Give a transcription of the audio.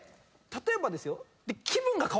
例えばですよ。